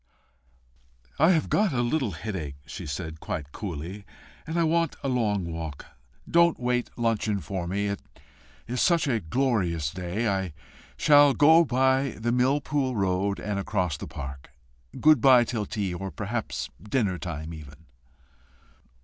"I have got a little headache," she said quite coolly, "and I want a long walk. Don't wait luncheon for me. It is such a glorious day! I shall go by the Millpool road, and across the park. Good bye till tea, or perhaps dinner time even."